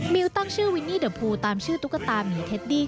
มิวตั้งชื่อวินนี่เดอร์พูลตามชื่อตุ๊กตามีเทดดี้